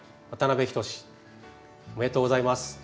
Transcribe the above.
ありがとうございます。